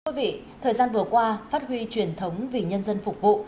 thưa quý vị thời gian vừa qua phát huy truyền thống vì nhân dân phục vụ